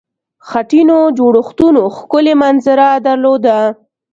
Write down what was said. خټینو جوړښتونو ښکلې منظره درلوده.